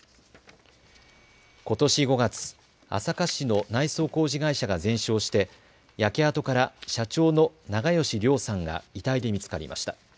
ことし５月、朝霞市の内装工事会社が全焼して焼け跡から社長の長葭良さんが遺体で見つかりました。